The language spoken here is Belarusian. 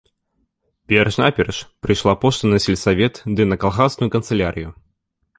Перш-наперш прыйшла пошта на сельсавет ды на калгасную канцылярыю.